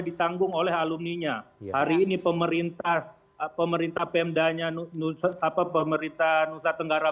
ditanggung oleh alumninya hari ini pemerintah pemerintah pemdanya nusa apa pemerintah nusa tenggara